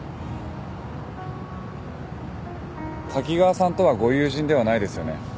滝川さんとはご友人ではないですよね？